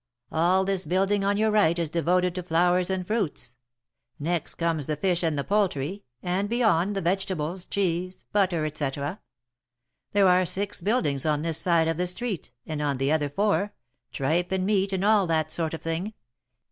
All this building on your right is devoted to flowers and fruits. Next comes the fish and the poultry, and beyond, the vegetables, cheese, butter, etc. There are six buildings on this side of the street, and on the other four — tripe and meat and all that sort of thing."